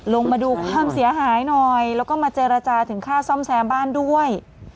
ลงมาดูความเสียหายหน่อยแล้วก็มาเจรจาถึงค่าซ่อมแซมบ้านด้วย